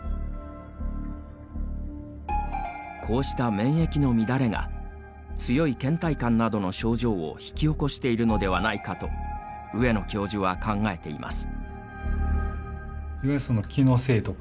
こうした免疫の乱れが強いけん怠感などの症状を引き起こしているのではないかと上野教授は考えています。